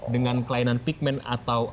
dengan kelainan pigment atau